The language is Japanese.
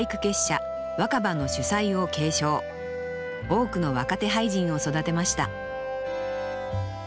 多くの若手俳人を育てました